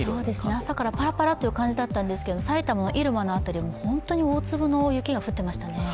朝からパラパラという感じだったんですけど埼玉・入間の辺りも本当に大粒の雪が降ってましたね。